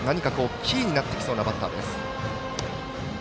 キーになってきそうなバッター。